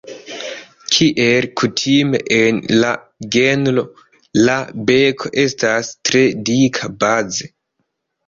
Kiel kutime en la genro, la beko estas tre dika baze.